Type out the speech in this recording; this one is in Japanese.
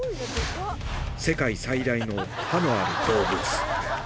世界最大の歯のある動物。